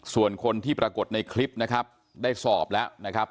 ส่วนคนที่ปรากฏในคลิปนะครับได้สอบแล้วนะครับ